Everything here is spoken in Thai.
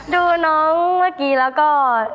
ดูน้องเมื่อกี้แล้วก็